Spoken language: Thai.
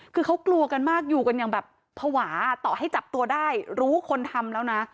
คือเขากลัวกันมากอยู่กันอย่างแบบภาวะต่อให้จับตัวได้รู้คนทำแล้วนะ